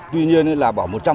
tuy nhiên là bỏ một trăm linh